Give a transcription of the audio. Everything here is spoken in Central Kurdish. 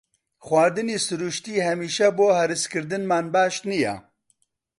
خواردنی سروشتی هەمیشە بۆ هەرسکردنمان باش نییە.